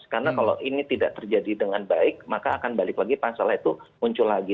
karena kalau ini tidak terjadi dengan baik maka akan balik lagi pasal itu muncul lagi